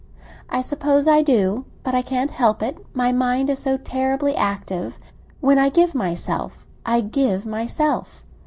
"I suppose I do; but I can't help it, my mind is so terribly active. When I give myself, I give myself.